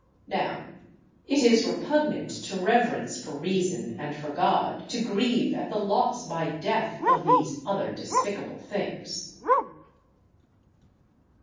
Now, it is repugnant to reverence for reason and for God to grieve at the loss by death of these other despicable things.